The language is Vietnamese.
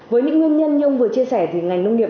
với những nguyên nhân nhung vừa chia sẻ thì ngành nông nghiệp